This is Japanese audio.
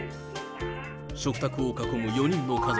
食卓を囲む４人の家族。